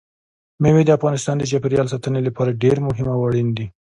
مېوې د افغانستان د چاپیریال ساتنې لپاره ډېر مهم او اړین دي.